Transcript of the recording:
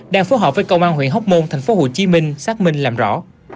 đang phối hợp với công an huyện hóc môn tp hcm xác minh làm rõ